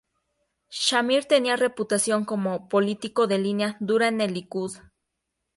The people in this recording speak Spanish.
Shamir tenía reputación como político de línea dura en el Likud.